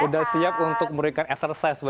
sudah siap untuk memberikan exercise